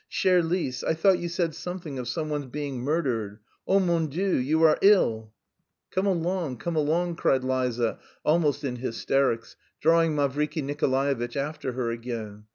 Chère Lise, I thought you said something of someone's being murdered. Oh, mon Dieu! You are ill!" "Come along, come along!" cried Liza, almost in hysterics, drawing Mavriky Nikolaevitch after her again.